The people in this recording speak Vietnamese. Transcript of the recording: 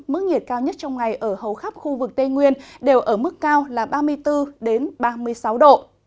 mức nhiệt cao nhất trong ngày ở hầu khắp khu vực tây nguyên đều ở mức cao là ba mươi bốn ba mươi sáu độ